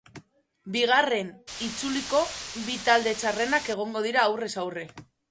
Bigarren itzuliko bi talde txarrenak egongo dira aurrez-aurre.